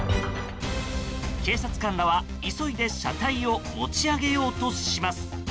警察官らは急いで車体を持ち上げようとします。